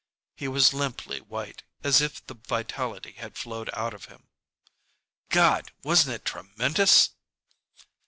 He was limply white, as if the vitality had flowed out of him. "God! wasn't it tremendous?"